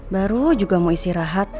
baru juga mau isi rahat